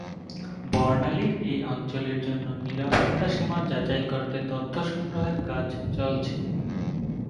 বর্ণালীর এ অঞ্চলের জন্য নিরাপত্তা সীমা যাচাই করতে তথ্য সংগ্রহের কাজ চলছে।